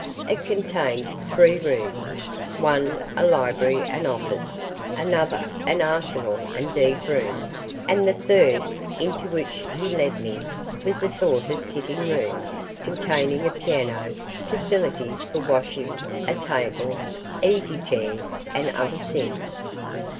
It contained three rooms one a library and office, another an arsenal and deed room, and the third, into which he led me, was a sort of sitting room, containing a piano, facilities for washing, a table, easy chairs, and other things.